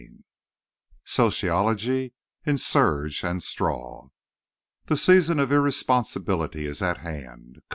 VII SOCIOLOGY IN SERGE AND STRAW The season of irresponsibility is at hand.